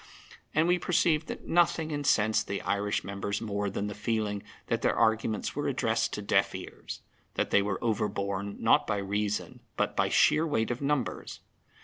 And we perceived that nothing incensed the Irish members more than the feeling that their arguments were addressed to deaf ears; that they were overborne, not by reason, but by sheer weight of numbers.